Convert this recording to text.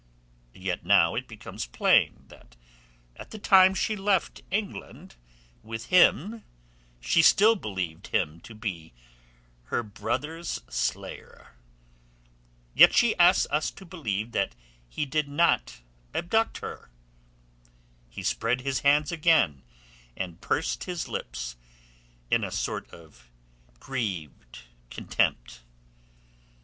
Yet now it becomes plain that at the time she left England with him she still believed him to be her brother's slayer. Yet she asks us to believe that he did not abduct her." He spread his hands again and pursed his lips in a sort of grieved contempt.